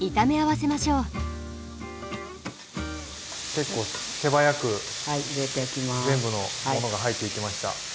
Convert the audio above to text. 結構手早く全部のものが入っていきました。